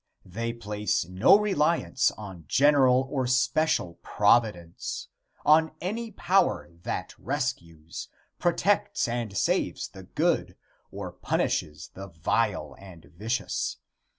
They place no reliance on general or special providence on any power that rescues, protects and saves the good or punishes the vile and vicious.